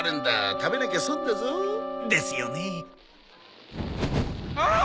食べなきゃ損だぞ。ですよね。ああ！